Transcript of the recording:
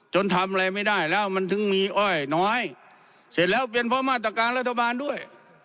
ทำอะไรไม่ได้แล้วมันถึงมีอ้อยน้อยเสร็จแล้วเป็นเพราะมาตรการรัฐบาลด้วย